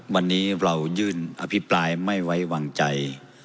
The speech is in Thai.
วันนี้เรายื่นอภิปรายไม่ไว้วางใจ